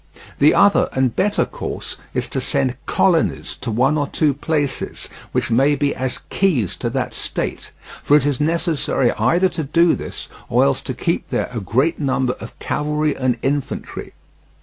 The other and better course is to send colonies to one or two places, which may be as keys to that state, for it is necessary either to do this or else to keep there a great number of cavalry and infantry.